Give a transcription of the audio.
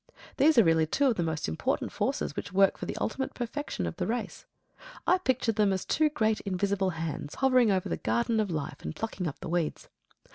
These are really two of the most important forces which work for the ultimate perfection of the race. I picture them as two great invisible hands hovering over the garden of life and plucking up the weeds.